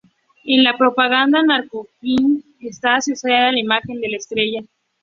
En la propaganda norcoreana Kim Jong-il está asociado con la imagen de la estrella.